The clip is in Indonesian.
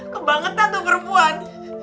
kebangetan tuh perempuan